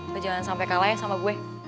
lo jangan sampe kalah ya sama gue